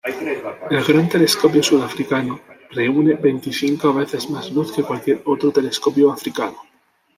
El Gran Telescopio Sudafricano reúne veinticinco veces más luz que cualquier otro telescopio africano.